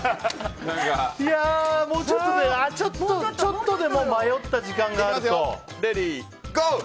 ちょっとでも迷った時間があると。